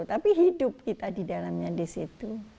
tapi hidup kita didalamnya disitu